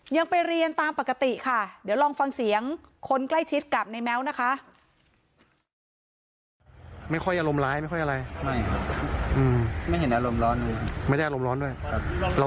ยังไปเรียนตามปกติค่ะเดี๋ยวลองฟังเสียงคนใกล้ชิดกับในแม้วนะคะ